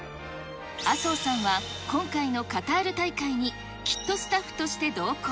麻生さんは今回のカタール大会にキットスタッフとして同行。